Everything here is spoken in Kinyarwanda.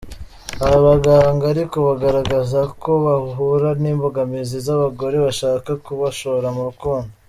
Aba baganga ariko bagaragaza ko bahura n’imbogamizi z’abagore bashaka kubashora mu rukundo.